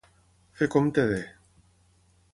Fer compte de.